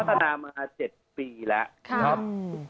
พัฒนามา๗ปีแล้ว